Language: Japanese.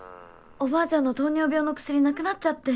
おばあちゃんの糖尿病の薬なくなっちゃって。